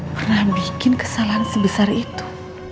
pernah bikin kesalahan sebesar itu